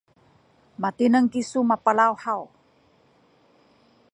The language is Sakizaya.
matineng kisu mapalaw haw?